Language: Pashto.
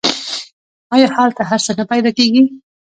آیا هلته هر څه نه پیدا کیږي؟